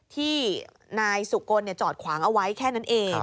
ที่นายสุกลจอดขวางเอาไว้แค่นั้นเอง